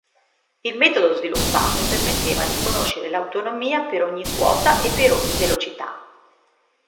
Il metodo sviluppato permetteva di conoscere l'autonomia per ogni quota e per ogni velocità.